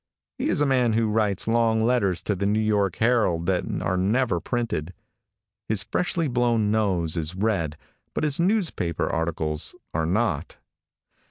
He is a man who writes long letters to the New York Herald that are never printed. His freshly blown nose is red, but his newspaper articles are not.